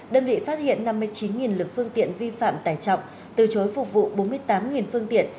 đơn vị phát hiện năm mươi chín lực phương tiện vi phạm tải trọng từ chối phục vụ bốn mươi tám phương tiện